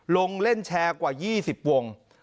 ลงเล่นแชร์กว่า๒๐วง